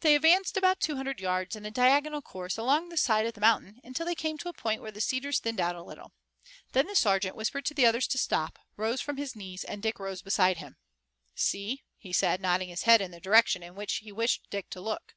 They advanced about two hundred yards in a diagonal course along the side of the mountain until they came to a point where the cedars thinned out a little. Then the sergeant whispered to the others to stop, rose from his knees, and Dick rose beside him. "See!" he said, nodding his head in the direction in which he wished Dick to look.